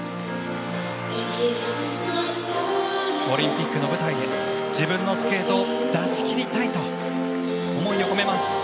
オリンピックの舞台で自分のスケートを出し切りたいと思いを込めます。